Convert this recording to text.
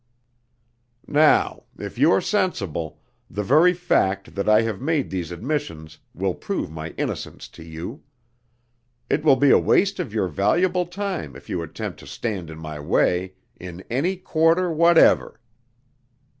"Now, if you are sensible, the very fact that I have made these admissions will prove my innocence to you. It will be a waste of your valuable time if you attempt to stand in my way, in any quarter whatever."